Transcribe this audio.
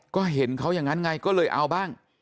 ก็เห็นเขาอย่างนั้นไงก็เลยเอาบ้าง